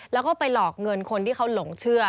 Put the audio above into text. แล้วก็ไปหลอกเงินคนที่เขาหลงเชื่อ